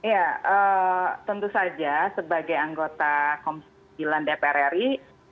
ya tentu saja sebagai anggota komisi sembilan dpr ri